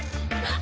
あ。